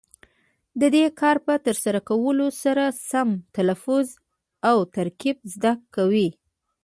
د دې کار په ترسره کولو سره سم تلفظ او ترکیب زده کوي.